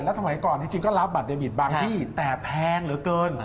สมัยก่อนจริงก็รับบัตรเดบิตบางที่แต่แพงเหลือเกิน